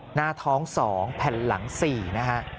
หน้าท้อง๒แผ่นหลัง๔นะฮะ